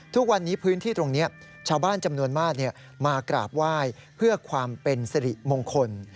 ทุกวันนี้พื้นที่ตรงนี้ชาวบ้านจำนวนมากมากราบไหว้เพื่อความเป็นสิริมงคล